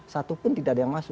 satupun tidak ada yang masuk